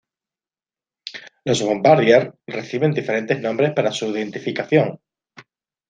Los Bombardier reciben diferentes nombres para su identificación.